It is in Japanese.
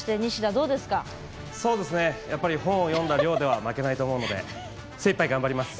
やっぱり本を読んだ量では負けないと思うので精いっぱい頑張ります。